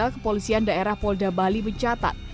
kepolisian daerah polda bali mencatat